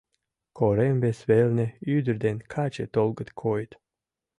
Корем вес велне ӱдыр ден каче толгыч койыт.